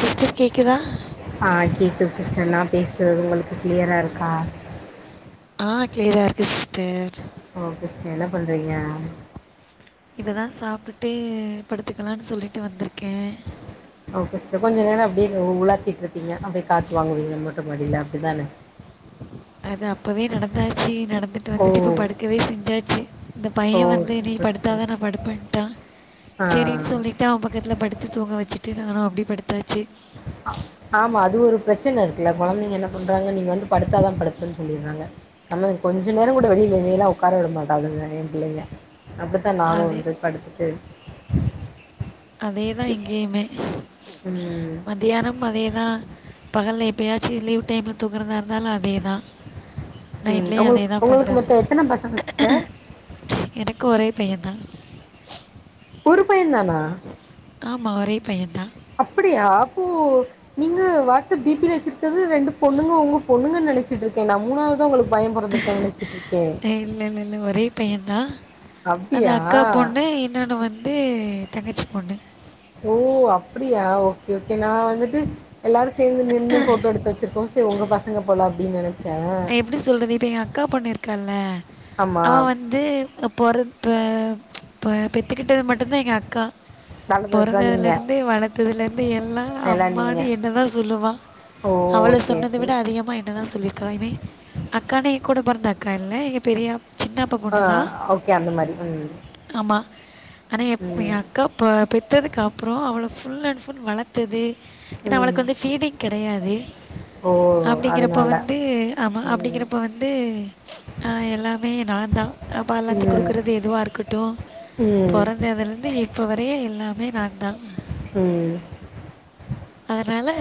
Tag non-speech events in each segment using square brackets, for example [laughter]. Sister கேக்குதா ஆ கேக்குது சிஸ்டர் நா பேசுறது உங்குளுக்கு கிளியரா இருக்கா ஆ கிளியரா இருக்கு சிஸ்டர் ஓ க்ரிஷ்டி என்ன பண்றீங்க இததா சாப்டுட்டு படுத்துக்கலான்னு சொல்லிட்டு வந்துருக்கே ஓகே சிஸ்டர் கொஞ்ச நேரோ அப்டியே உ உலாத்திட்ருப்பீங்க அப்டியே காத்து வாங்குவீங்க மொட்ட மாடில அப்டி தானே அது அப்பவே நடந்தாச்சு நடந் துட்டு ஓ வந்துட்டு இப்போ படுக்கவே செஞ்சாச்சு இந்த ஓ பைய வந்து நீ சூப்பர் சூப்பர் படுத்தாதா நா படுப்பன்ட்டா ஆ த்தா பக்கத்துல படுத்து தூங்க வெச்சுட்டு நானு அப்டியே படுத்தாச்சு ஆ ஆமா அது ஒரு பிரச்சன இருக்குல்ல கொழந்தைங்க என்ன பண்றாங்க நீங்க வந்து படுத்தாதா படுப்பேன்னு சொல்லிட்றாங்க நம்ல கொஞ்ச நேரோ கூட வெளில என்னயல்லா ஒக்கார விட மாட்டாலுங்க ஏ பிள்ளைங்க அப்டி தா நானு அதே வந்து படுத்துட்டு அதேதா இப்- இங்கேயுமே ம் மதியானம் அதேதா பகல்ல எப்பயாச்சு லீவ் டைம்ல தூங்கறதா இருந்தாலு அதேதா ம் உங்குளுக்கு உங்குளுக்கு மொத்தோ எத்தன பசங்க சிஸ்டர் எனக்கு ஒரே பையந் தா ஒரு பையந்தானா ஆமா ஒரே பையந்தா அப்படியா அப்போ நீங்க வாட்ஸ்அப் டி பி ல வெச்சிருக்கது ரெண்டு பொண்ணுங்க உங்க பொண்ணுங்கன் நெனைச்சிட்ருக்கே நா மூணாவதா உங்களுக்கு பைய பொறந்துருக்குன் நெனச்சிட்ருக்கே இல்லல்லல்ல ஒரே பையந்தா அது அப்டியா அக்கா பொண்ணு இன்னோனு வந் து தங்கச்சி பொண்ணு ஓ அப்படியா ஓகே ஓகே நா வந்துட்டு எல்லாரு சேந்து நின்னு ஃபோட்டோ எடுத்து வெச்சிருக்கவு உங்க பசங்க போல அப்டின் நெனை எப்டி சொல்றது இப்ப எ அக்கா பொண்ணிருக்கால ஆமா அவ வந் து பொற இப்ப இப்ப பெத்துக்கிட்டது மட்டுந்தா எங்கக்கா நடந்தது ஃபுல்லா நீங்க பொறந்ததுல இருந்தே வளத்ததுல இருந்தே எல்லா அம்மான்னு என்னதா சொல்லுவா ஓ அவள சேரி சொன்னத விட சேரி அதிகமா என்னதா சொல்லிக்கலாமே அக்கானா எ கூட பொறந்த அக்கா இல்ல எங்க பெரியா சின்ன அப்பா ஆ பொண்ணுதா ஓகே அந்த மாரி ம் ஆமா ஆனா எ எ ம் அக்கா பெ பெத்ததுக்கப்றோ அவள ஃபுல் அன் ஃபுல் வளத் தது ஏன்னா ம் அவளுக்கு வந்து ஃபீடிங் கெடையாது ஓ அப்டிங்கிறப்ப அதனால வந்து ஆமா ம் அப்டிங்கிறப்ப வந்து அ எல்லாமே நாந்தா அ பால் ஆத்தி குடுக்கறது ம் எதுவா இருக்கட்டு ம் பொறந்ததுல இருந்து இப்ப வரையு எல்லாமே நாந்தா ம் அதனால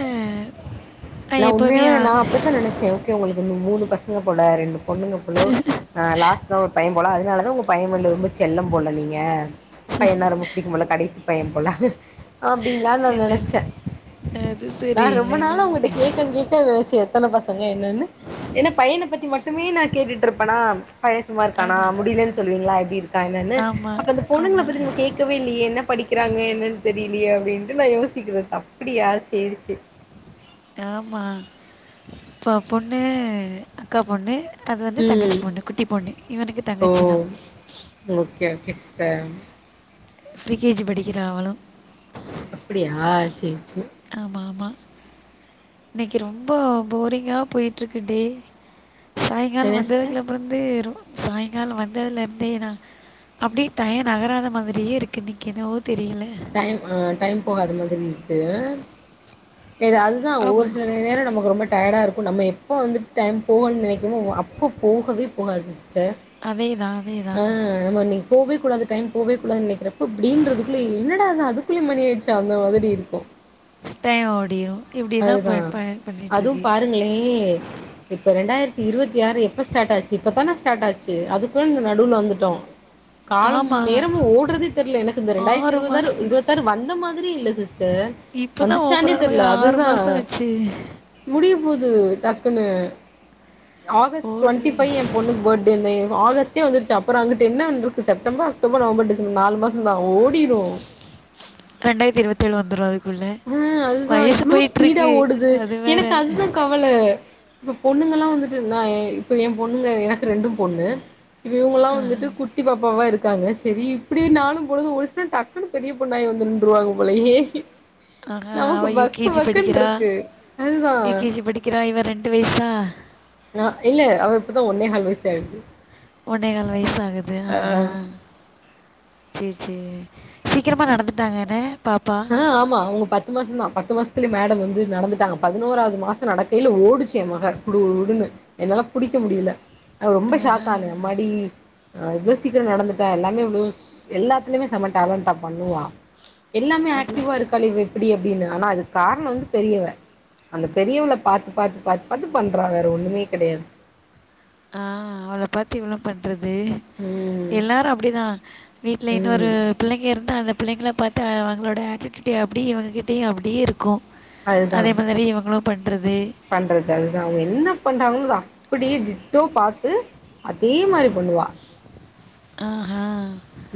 நா நான் எப்பவுமே உண்மையாவே அ நா அப்டித்தா நெனைச்சே ஓகே உங்களுக்கு இன்னு மூணு பசங்க போல ரெண்டு பொண்ணுங்க போல ஆ லாஸ்ட்டா ஒரு பைய போல அதனாலதா உங்க பைய மேல ரொம்ப செல்லம் போல நீங்க பையன்னா ரொம்ப புடிக்கும் போல கடைசி பைய போல அப்டின்லா நா இல்ல, இல்ல. நெனச்ச அது நா சரி. இல்ல, ரொம்ப இல்ல, நாளா உங்கட்டா இல்ல. கேக்கனு கேக்கனுன் நெனச்ச எத்தன பசங்க என்னன்னு ஏன்னா பையன பத்தி மட்டுமே நா கேட்டுட்ருப்பனா பைய சும்மா இருக்கானா ஆமா. முடியலன்னு சொல்லுவிங்ளா எப்டி இருக்கா என்னன்னு ஆமா, அப்ப அந்த பொண்ணுங்கள ஆமா. பத்தி நம்ம கேக்கவே இல்லியே என்ன படிக்கிறாங்க என்னன்னு தெரிலியே அப்டின்ட்டு நா யோசிக்கிறது அப்பிடியா சேரி சேர் ஆமா இப்ப பொண்ணு அக்கா பொண்ணு அது வந்து தங்கச்சி ம் பொண்ணு குட்டி பொண்ணு இவனுக்கு தங்கச்சிதா ஓ okay okay sister pre K G படிக்கிறா அவளு அப்படியா சேர் சேர் ஆமா ஆமா இன்னைக்கு ரொம்ப போரிங்கா போய்ட்ருக்கு டே சாயங்கால என்ன சிஸ்டர் வந்ததுக்கப்பற வந்து ரொ சாயங்கால வந்ததுல இருந்தே நா அப்டே டய நகராத மாதிரியே இருக் கு இன்னிக்கி என்னவோ தெரியல டைம் டைம் போகாத மாதிரி இருக்கு எதாது அதா ஒரு ஆமாம் சில நேர நமக்கு ரொம்ப டயர்டா இருக்கு நம்ம எப்ப வந்துட்டு டைம் போகு நெனக்குமோ அப்ப போகவே போகாது சிஸ்டர் அதேதா அதேதா நாம இன்னைக்கு போவே கூடாது டைம் போவே கூடாது நெனைக்கிறப்ப இப்டின்றதுக்குள்ள என்னடா அது அதுக்குல மணி ஆயிருச்சா அந்த மாதிரி இருக்கு டைம் ஓடிரு இப்டிதா ப ப பண்ணிட்ருக்கு துங்ளே இப்ப ரெண்டாயிரத்தி இருவத்தி ஆறு எப்ப ஸ்டார்ட் ஆச்சு இப்பதான ஸ்டார்ட் ஆச்சு அதுக்குள்ள இந்த நடுவுல வந்துட்டோ காலமு ஆமாம் நேரமு ஓடறதே தெர்ல எனக்கு இந்த ரெண்டாயிரத்தி ஆறு இருபதாறு மாதம் இருவத்தாறு வந்த மாதிரியே இல்ல சிஸ் த இப்பதா ஓபன் ஆன மாரி ஆ அதுதா முடிய போது டக்குன்னு ஆகஸ்ட் ஓடுது டுவெண்டி ஃபைவ் என் பொண்ணுக்கு பர்ட்டே இன்னர் ஆகஸ்டே வந்துருச்சி அப்புற அங்குட்டு என்ன பன்றுக்கு செப்டம்பர் அக்டோபர் நவம்பர் டிசம்பர் நாலு மாச தான் ஓடிரு ரெண்டாயிரத்தி இருவத்தேழு வந்துரு அதுக் குள்ள ஆ அதுதா வயசு இவ்ளோ போயிட்ருக்கு அது வேற அவள இப்ப பொண்ணுங்கல்லா வந்துட்டு நா இப்ப என் பொண்ணுங்க எனக்கு ரெண்டும் பொண்ணு இப்ப இவுங்கல்லா வந்துட்டு குட்டி பாப்பாவா இருக்காங்க செரி இப்டியே நாலு பொழுது ஓடுச்சுன்னா டக்குன்னு பெரிய பொண்ணாய் வந்து நின்றுவாங்க போலயே ஆகா அவ நமக்கு யூ கே பக்கு ஜி பக்குன்னு படிக்கிறா இருக்கு அதுதா யூ கே ஜி படிக்கிறா இவ ரெண்டு வயசா நா இல்ல அவ இப்பதா ஒன்னேகால் வயசு ஆகுது ஒன்னே கால் வயசு ஆகுது அஹா சேர் சேர் சீக்கிரமா நடந்துட்டாங்கன அ ஆமா அவுங்க பத் பத்து மாசந்தா பத்து மாசத்துலயே மேடம் வந்து நடந்துட்டாங்க பதினோராவ்து மாசோ நடக்கயில ஓடுச்சு என் மக குடுகுடுகுடுன்னு என்னால புடிக்க முடியல நா ரொம்ப ஷாக் ஆன அம்மாடி அ இவ்ளோ சீக்கிரோ நடந்துட்டா எல்லாமே ம் எல்லாத்துலயுமே செம டேலண்டா பண்ணுவா எல்லாமே அது ஆக்டிவா இருக்கலே இவ எப்டி அப்டின்னு ஆனா அதுக்கு காரணொ வந்து பெரியவ அந்த பெரியவள பாத்து பாத்து பாத்து பண்றா வேற ஒண்ணுமே கெடையாது ஆ அவள பாத்து இவளு பண்றது ம் எல்லாரு அப்டிதா வீட்ல இன்னொரு ம் பிள்ளைங்க இருந்தா அந்த பிள்ளைங்கள பாத் ட்ட அவங்களோட ஆட்டியூட்டி அப்டியே இவங்கிட்டேயு அப்டியே இருக்கூ அதுதா அதே மாதிரி இவங்களு பண்றது பண்றது அதுதா அவுங்க என்ன பண்றாங்கன்னு அத அப்படியே டிட்டோ பாத்து அதே மாரி பண்ணுவா ஆஹா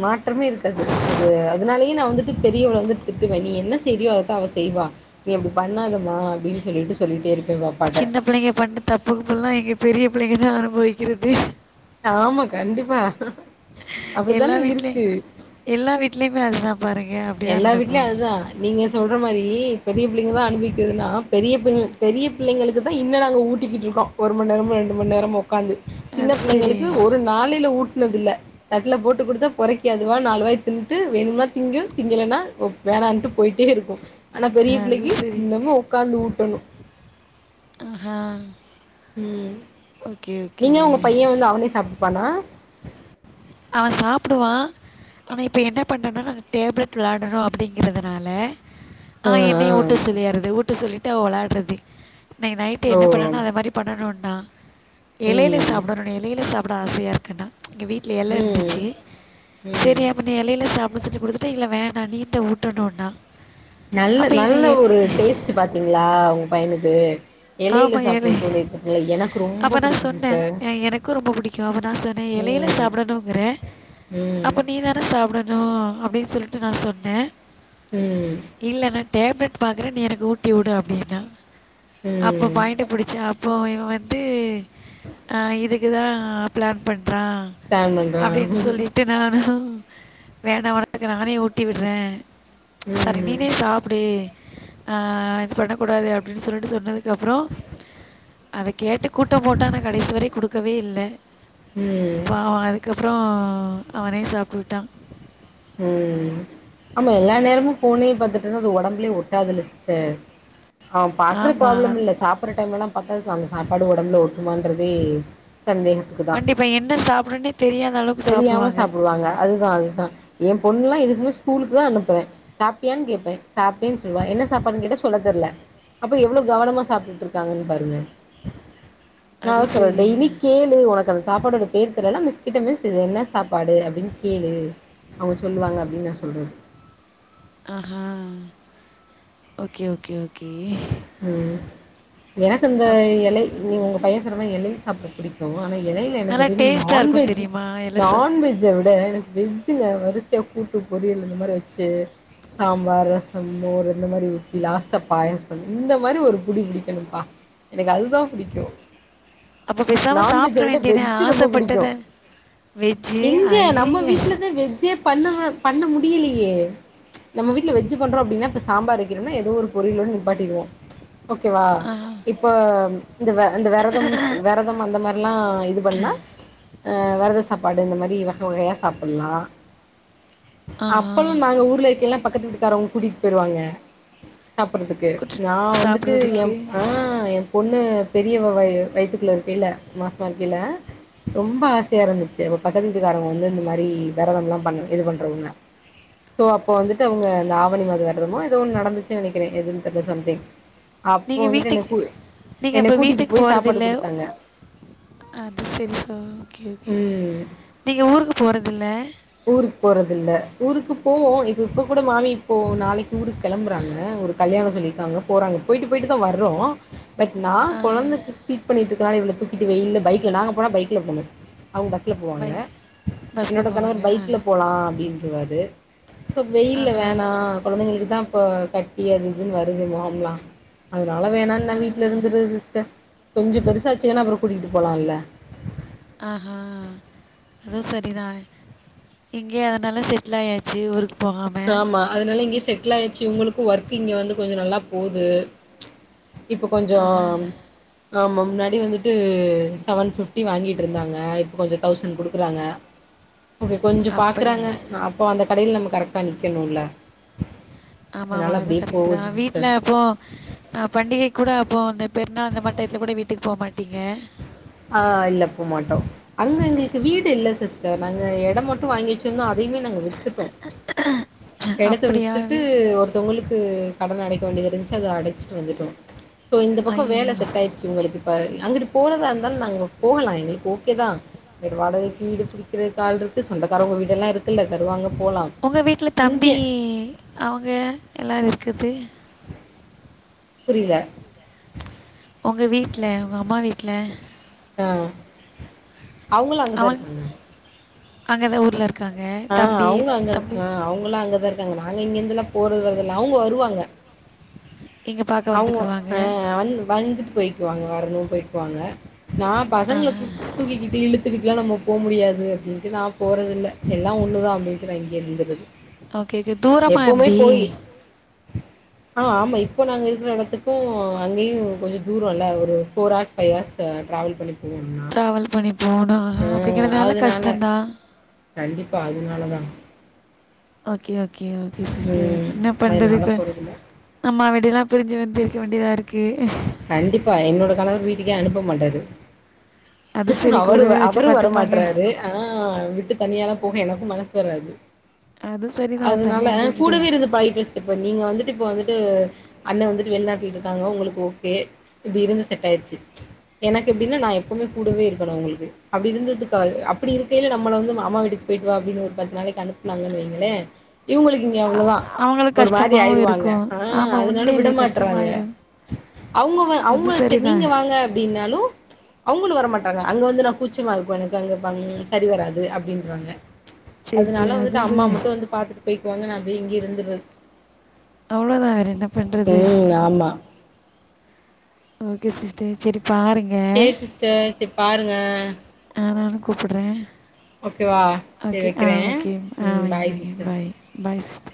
மாற்றமே இருக்காது அது அதனாலயே நா வந்துட்டு பெரியவள வந்துட்டு திட்டுவே நீ என்ன செய்ரியோ அதத்தா அவ செய்வா நீ அப்டி பண்ணாதமா அப்டின்னு சொல்லிட்டு சொல்லிட்டே இருப்பே பாப் சின்ன புள்ளைங்க பண்ண தப்புக்குப்புல்லா எங்க பெரிய புள்ளைங்கதா அனுபவிக்கிறது ஆமா கண்டிப்பா எல்லா அப்டித்தானே இருக்கு வீட்லயும் எல்லா வீட்லயுமே அதுதா பாருங்க அப்டிதா எல்லா நடக்கூ வீட்லயும் அதுதான். நீங்க சொல்ற மாரி பெரிய புள்ளைங்க தா அனுபவிக்குதுன்னா பெரிய பெரிய பிள்ளைங்களுக்கு தா இன்னு நாங்க ஊட்டிக்கிட்டு இருக்கோ க்கோ ஒரு மண் நேரமோ ரெண்டு மண் நேரமோ உக்காந்து சின்ன அது சரி. பிள்ளைங்களுக்கு ஒரு நாளில ஊட்னது இல்ல தட்ல போட்டு குடுத்தா பொறைக்கி அதுவா நாலுவாய் தின்னுட்டு வேணுனா திங்கு திங்களன்னா வேணான்ட்டு போயிட்டே இருக்கூ ஆனா பெரிய அது பிள்ளைக்கு சரி. இன்னமு உக்காந்து ஊட்டணு ஆஹா ம் ஓகே, நீங்க உங்க பையன் ஓகே. வந்து அவனே சாப்டுப்பானா அவன் சாப்டுவா ஆனா இப்ப என்ன பண்றனா டேபிள் ப்ளானரு அப்டிங்கறதுனால ஆ என்னய ம், ஊட்ட ம். சொல்லியாறது ஊட்ட சொல்லிட்டு அவ வெளாட்றது இன்னை நைட் ஓ! என்ன பண்ணானா அத மாரி பண்ணணுன்னா இலையில ம், சாப்டணுன் எலையில சாப்பிட ஆசையா இருக்குன்னா எங்க வீட்டு ல எல் ம், இருந்துச்சி செரி ம். அப்ப நீ எலையில சாப்டு சொல்லி குடுத்துட்டு இல்ல வேணா ந நீந்தா ஊட்டணுன்னா நல்ல நல்ல ஒரு டேஸ்ட்டு பாத்தீங்களா உங்பையனுக்கு எலையில ஆமாம் இலை சாப்பிடணுன்னு தோணி இருக்கு இல்ல எனக்கு ரொம்போ புடிக்கு சிஸ்டர் அவ நா சொன்னே இலையில ம் சாப்படணுங்கறே ம் அப்ப நீ தானே சாப்ட னு அப்டின் சொல்லிட்டு நா சொன்னே ம் இல்ல நான் டேப்லெட் பாக்கறே நீ எனக்கு ஊட்டி வுடு அப்டின்ன அப்ப ம் பாயிட்டு புடிச்சா அப்போ இவ வந்து ஆ இதுக்கு தா பிளான் பண்டா பிளான் பண்றே அப்டின் சொல்லிட்டு நானு வேண்டா உனக்கு நானே ஊட்டி விட்றே சரி ம் நீனே சாப்டு ஆ இது பண்ணக்கூடாது அப்டின் சொல்லிட்டு சொன்னதுக் கப்றோ அத கேட்டு கூட்டம் போட்டா நா கடைசி வரையு குடுக்கவே இல்ல ம் பாவோ அதுக்கப்பறோ அவனே சாப்புட்டு கிட்டா ம் ஆமா எல்லா நேரமு போனே பாத்துட்டு இருந்தா அது உடம்புலயே ஒட்டாதுல்ல சிஸ்டர் அவ பாக்குற ஆமாம் ப்ராப்ளம் அது இல்ல சாப்புட்ற டைம்லல்லாம் பத்தாதக்கு அந்த சாப்பாடு உடம்புல ஓட்டுமான்றதே சந்தேகம் கண்டிப்பா என்ன சாப்டனே தெரியாத அளவுக்கு தெரியாம சாப்டுவாங்க சாப்புடுவாங்க அதுதா அதுதா எ பொண்ணுல்லா எதுக்குமே ஸ்கூலுக்கு தா அனுப்புறே சாப்ட்டியான் கேப்பே சாப்ட்டேன் சொல்வா என்ன சாப்பாடுன் கேட்ட சொல்ல தெர்ல அப்ப எவ்ளோ கவனமா சாப்ட்டுட்டு இருக்காங்கன்னு பாருங்க நா அது அதா சொல்வே சரி. டெய்லி கேளு உனக்கு அந்த சாப்பாடோட பேர் தெர்லனா மிஸ் கிட்ட மிஸ் இது என்ன சாப்பாடு அப்டின் கேளு அவுங்க சொல்லுவாங்க அப்டின் நா சொல்றது ஆஹா ஓகே ஓகே ஓகே ம் எனக்கு இந்த அப் இலை நீ உங்க பையன் சொன்ன மாரி இலைல சாப்பிட புடிக் கு ஆனா இலையில எனக்கு நல்லா [unintelligible] டேஸ்ட்டா இருக்கும் நான்வெஜ் தெரியுமா? எல்லாம் சாப் நான்வெஜ் விட எனக் வெஜ் ச்சிங்க வரிசையா கூட்டு பொரியல் இந்த மாரி வெச்சு சாம்பார் ரசோ மோர் இந்த மாரி ஊத்தி லாஸ்டா பாயசோ இந்த மாரி ஒரு புடி புடிக்கணும்ப்பா எனக்கு அதுதா புடிக்கும் அப்ப பேசாம நான்வெஜ்ஜ சாப்பிட்ற விட வேண்டியது வெஜ்ஜி ரொம்ப புடிக்கு ஆசைப்பட்டத. வெஜ்ஜு எங்க நம்ம அய்யய்ய! வீட்லதா வெஜ்ஜே பண்ணுவே பண்ண முடியலையே நம்ம வீட்ல வெஜ்ஜி பண்றோ அப்டின்னா இப்ப சாம்பர் வெக்ரனோன்னா ஏதோ ஒரு பொறியலோட நி ப்பாட்டிடுவோ ஓகேவா ஆஹா, இப்ப இந்த வெரதம் வெரதம் அந்த மாரில்லா இது பண்ணா வெரத சாப்பாடு இந்த மாரி வகை வகையாக சாப்டுல்லா ஆஹா. அப்பல்லா நாங்க ஊர்ல இருக்கயெல்லா பக்கத்து வீட்டுக்காரவுங் கூட்டிட்டு போயிருவாங்க சாப்பற்துக்கு கூட்டு நா வந்துட்டு எ சாப்பிடுறதுக்கு. ம் ஆ எம் பொண்ணு பெரிய வ வயித்துக்குள்ள இருக்கையில மாசமா இருக்கைல ரொம்ப ஆசையா இருந்துச்சி அப்ப பக்கத்து வீட்டுக்காரவங்க வந்து இந்த மாரி வெரதம்லா பண்ண இது பண்றவொன்ன சோ அப்போ வந்துட்டு அவுங்க அந்த ஆவணி மாத வெரதமோ ஏத ஒன்னு நடந்துச்சு நெனைக்கிறே எதுன் து சம்திங் அப்போ நீங்க வந்துட்டு என்னை வீட்டுக்கு கூ நீங்க என்னைய அப்ப கூட்டிட்டு வீட்டுக்கு போய் சாப்பாடு போறதில்ல? குடுத்தாங்க அது சரி சார் ஓகே ஓகே ம் நீங்க ஊருக்கு போறதில்ல் ஊருக்கு போறதில்ல ஊருக்கு போவோ இப்ப இப்ப கூட மாமி இப்போ நாளைக்கு ஊருக்கு கெளம்புறாங்க ஊருக் கல்யாணம் சொல்லியிருக்காங்க போறாங்க போயிட்டு போயிட்டு தா வர்றோ பட் நா ஆ. கொழந்திக்கு ஃபீட் பண்ணிட்ருக்கனால இவள தூக்கிட்டு வெய்ல பைக்ல நாங்க போனா பைக்ல போணு அவுங்க பஸ்ல போவாங்க பை பஸ்ஸில் என்னோட போவாங்க கணவர் ஆ பைக்ல போலா அப்டின்ருவாரு சோ வெயில்ல ஆஹா வேணா கொழந்தங்களுக்குதா இப்போ கட்டி அது இதுன் வருதுமா அப்லா அதனால வேணான் நா அதானே வீட்ல இருந்துருது சிஸ்டர் கொஞ்சு பெருசாச்சுங்கன்னா அப்புறோ கூட்டிட்டு போலால்ல அ ஆ அதுவ் செரிதா இங்க்யே அதனால செட்லயாச்சு ஒரு ஆமா அதனால இங்யே செட்லாயாச்சு இவ்ங்களுக்கு ஒர்க்கு இங்க வந்து கொஞ்சோ நல்லா போது இப்போ ஆஹா கொஞ்சோம் ஆமா முன்னாடி வந்துட்டு செவன் ஃபிஃப்டி வாங்கிட்டு இருந்தாங்க இப்போ கொஞ்சோ தௌசண் குடுக்குறாங்க அங்க கொஞ்சு அப்படி பாக்குறாங்க அப்போ அந்த கடையில் நம்ம கரெக்டா நிக்கணுல ஆமா ஆமா அதுவு கரெக்ட்டுதா வீட்ல அப்போ அ பண்டிகைக்கூட அப்போ இந்த பெருநாள் அந்த மார் டயத்துல கூட வீட்டுக் போ மாட்டீங்க ஆ இல்ல போமாட்டோ அங்க எங்களுக்கு வீடு இல்ல சிஸ்டர் நாங்க எடம் மட்டு வாங்கி வெச்சிந்தோ அதையுமே நாங்க வித்துட்டோ ஆஹ எடத்த வித்துட்டு ஒருத்தவங்களுக்கு கடன் அடைக்க வேண்டியது இருந்சு அதை அடச்சிட்டு வந்துட்டோ சோ இந்த பக்கோ வேல ஐயையோ செட் ஆயிச் எங்களுக்கு இப்ப அங்கட்டு போறதா இருந்தால் நாங்க போகலா எங்களுக்கு ஓகே தா பட் வாடகைக்கு வீடு பிடிக் கிறத்க்கு ஆள் இருக்கு சொந்தக்காரவ்ங்க வீடெல்லா இருக்குல்ல தருவாங்க போலா உங்க வீட்ல இங்க தம்பி அவுங்க எல்லா இருக்குது புரில உங்க வீட்ல உங்க அம்மா வீட்ல அ அவுங்களு அங்கதா இருக்காங்க அங்கதா ஊர்ல இரு ஆ அவுங்க அங்கதா ஆ அவுங்கல்லா அங்கதா இருக்காங்க நாங்க இங்க இந்துல்லா போறது வரதில்ல அவுங்கோ வருவாங்க இங்கே பார்க்க அவுங்க வந்துக்கிடுவாங்க அ வந் வந்துட்டு போய்க்குவாங்க வரணு போய்க்குவாங்க நா பசங்கள ஆஹா தூக் தூக்கிக்கிட்டு இழு த்துக்கிட்லா நம்ம போ முடியாது அப்டின்ட்டு நா போறதில்ல எல்லா ஒண்ணுதா அப்டின்ட்டு நா இங்யே இருந்துர்ருது ஓகே ஓகே தூரமாக எப்பவுமே எப்படி போய் ஆ ஆமா இப்போ நாங்க இருக்கிற எடத்துக்கு அங்கெயு கொஞ்சோ தூரோ இல்ல ஒரு four hours five hours travel பண்ணி போணு நா வல் பண்ணின் போனா அப்டிங்கிறதுனால அதனால கஷ்டந்தா கண்டிப்பா அதுனாலதா ஓகே ஓகே ஓகே சிஸ்டர் ம், என்ன பண்றது அதனால இப்ப போறதில்ல அம்மா வீடு எல்லாம் பிரிஞ்சு வந்து இருக்க வேண்டிதா இருக்கு கண்டிப்பா என்னோட கணவர் வீட்டுக்கே அனுப்ப மாட்டாரு அது சரி அவரு கூடவே வச்சு அவரு பார்த்துப்பாங்க வரமாட்டறாரு ஆனா விட்டு தனியாலா போக எனக்கு மனசு வராது அது சரிதான் அதனால தனியாக அப்படி விட்டுட்டு கூடவே இருந்து பழகிட்ட சிஸ் இப்ப நீங்க வந்துட்டு இப்ப வந்துட்டு அண்ண வந்துட்டு வெள்நாட்லட்ருக்காங்கோ உங்களுக்கு ஓகே இப்டி இருந்து செட் ஆயிட்ச்சு எனக்கு எப்டினா நா எப்புமே கூடவே இருக்கணு அவுங்களுக்கு அப்டி இருந்ததுக்குகா அப்படி இருக்கையில நம்மள வந்து மாமா வீட்டுக் போய்ட்டு வா அப்டின்னு ஒரு பத்து நாளைக் அனுப்புனாங்கன் வெய்ங்களே இவுங்களுக்கு இங்க அ- அவ்ளோவா அவங்களுக்கு ஒரு மாரி கஷ்டமாகவும் ஆயிடுவாங்க இருக்கும் அ ஆமாம் அதனால விட உண்மையிலே மாட்டறாங்க கஷ்டமாயிரும் அவுங்க வ அது அவுங்க சேர் நீங்க சரிதான் வாங்க அப்டின்னாலு அவுங்களு வரமாட்டாங்க அங்க வந்து நா கூச்சமா இருக்கோ எனக்கு அங்க பண் சரி வராது அப்டின்றாங்க சரி சரி அதனால வந்துட்டு அதுவும் அம்மா சரி மட்டும் வந்து பாத்துட்டு போயிக்குவாங்க நான் அப்டியே இங்க இருந்துகிறது அவ்ளோதான் வேற என்ன பண்றது ஆமா ஓகே சிஸ்டர் சேரி பாருங்க சேரி சிஸ்டர் சேரி பாருங்க ஆ நான் கூப்றேன் ஓகேவா சேரி ஓகே வைக்கிறே ஆஓகே ஆ ம் வைங்க பாய் வைங்க சிஸ்டர் பாய் பாய் சிஸ்டர்